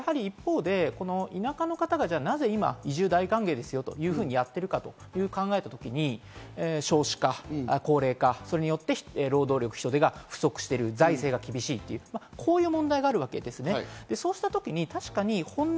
ただ一方で、田舎の方がなぜ今、移住大歓迎ですよとやっているかと考えたときに、少子化・高齢化、それによって、労働力、人手が不足、財政が厳しい、そういう問題があるわけです。